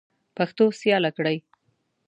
پښتو سیاله کړئ.